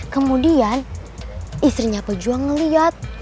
kemudian istrinya pejuang ngeliat